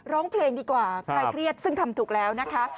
ร้องเพลงดีกว่าใครเครียดซึ่งทำถูกแล้วนะคะ